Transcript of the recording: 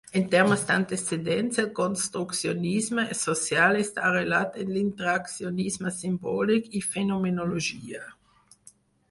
En termes d'antecedents, el construccionisme social està arrelat en "l'interaccionisme simbòlic" i "fenomenologia".